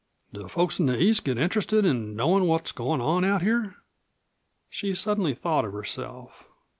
Do folks in the East get interested in knowin' what's goin' on out here?" She suddenly thought of herself.